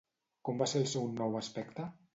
Com va ser el seu nou aspecte?